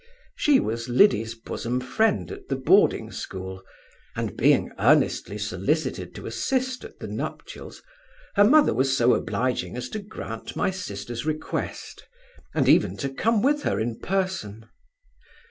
She was Liddy's bosom friend at the boarding school, and being earnestly sollicited to assist at the nuptials, her mother was so obliging as to grant my sister's request, and even to come with her in person.